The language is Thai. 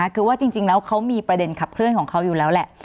คือว่าจริงแล้วเขามีประเด็นขับเคลื่อนของเขาอยู่แล้วแหละ